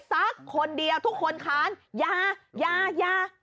สักคนเดียวทุกคนค้านยายายา